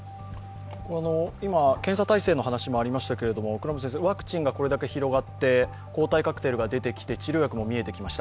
検査態勢の話もありましたけどワクチンがこれだけ広がって抗体カクテルが出てきて治療薬も出てきました。